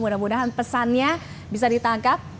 mudah mudahan pesannya bisa ditangkap